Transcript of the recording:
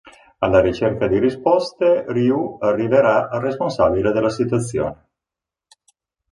Alla ricerca di risposte, Ryu arriverà al responsabile della situazione.